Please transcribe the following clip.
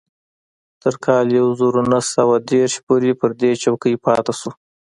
تر کال يو زر و نهه سوه دېرش پورې پر دې څوکۍ پاتې شو.